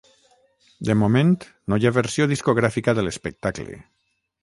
De moment no hi ha versió discogràfica de l’espectacle.